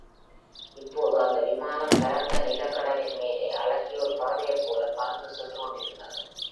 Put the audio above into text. இப்போது அந்த விமானம் பரந்த நீலக் கடலின் மேலே அழகிய ஒரு பறவையைப்போல பறந்து சென்றுகொண்டிருந்தது.